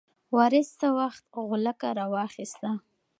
وارث څه وخت غولکه راواخیسته؟